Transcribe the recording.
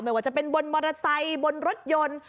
ว่าจะเป็นบนมอเตอร์ไซค์บนรถยนต์